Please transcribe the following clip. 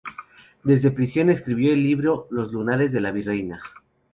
Desde prisión escribió el libro "Los lunares de la Virreina".